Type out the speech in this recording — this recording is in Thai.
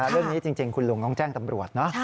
เรื่องนี้จริงคุณลุงต้องแจ้งตำรวจนะ